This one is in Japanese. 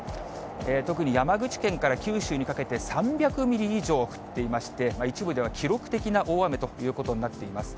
特に山口県から九州にかけて３００ミリ以上降っていまして、一部では記録的な大雨ということになっています。